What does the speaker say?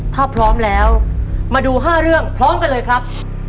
ถ้าพร้อมแล้วมาดู๕เรื่องพร้อมกันเลยครับ